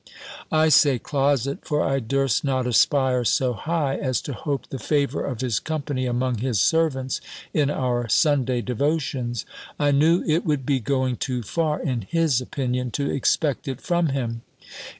I say, closet: for I durst not aspire so high, as to hope the favour of his company among his servants, in our Sunday devotions. I knew it would be going too far, in his opinion, to expect it from him.